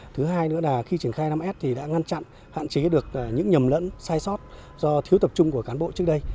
thứ hai nữa là khi triển khai năm s thì đã ngăn chặn hạn chế được những nhầm lẫn sai sót do thiếu tập trung của cán bộ trước đây